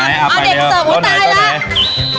อ่าเด็กเสริมหัวตายแล้ว